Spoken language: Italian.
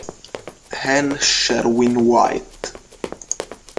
N. Sherwin-White.